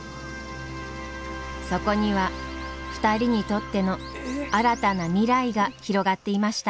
そこには２人にとっての新たな未来が広がっていました。